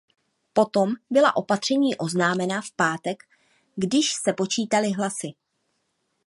Potom byla opatření oznámena v pátek, když se počítaly hlasy.